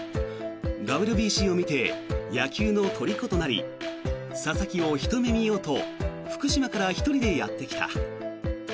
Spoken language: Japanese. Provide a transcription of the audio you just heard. ＷＢＣを見て野球のとりことなり佐々木をひと目見ようと福島から１人でやってきた。